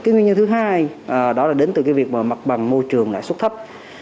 nguyên nhân thứ hai đó là đến từ cái việc mặt bằng môi trường lãi suất thấp